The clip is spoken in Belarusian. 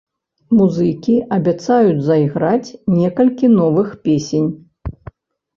Музыкі абяцаюць зайграць некалькі новых песень.